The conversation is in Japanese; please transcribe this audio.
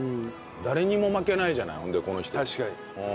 誰にも負けないじゃないほんでこの人。